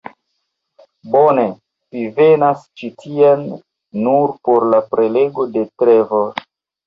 Bone, vi venas ĉi tien nur por la prelego de Trevor